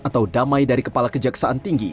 atau damai dari kepala kejaksaan tinggi